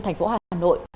thành phố hà nội